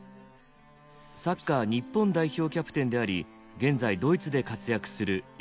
サッカー日本代表キャプテンであり現在ドイツで活躍する吉田麻也。